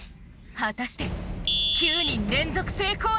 果たして９人連続成功なるか？